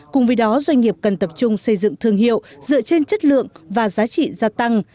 cùng với đó doanh nghiệp cần tập trung xây dựng thương hiệu dựa trên chất lượng và giá trị gia tăng